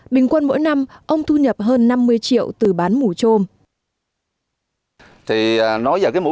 bình quân mỗi năm ông thu nhập hơn năm mươi triệu từ bán mù trôm